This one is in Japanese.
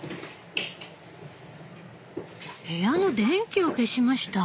部屋の電気を消しました。